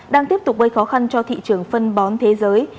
đang tiếp tục gây khó khăn cho thị trường phân bón thế giới